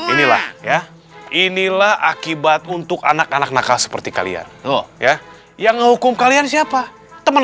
inilah ya inilah akibat untuk anak anak nakal seperti kalian oh ya yang hukum kalian siapa teman